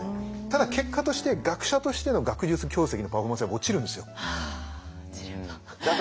ただ結果として学者としての学術業績のパフォーマンスは落ちるんですよ。はあ落ちるんだ。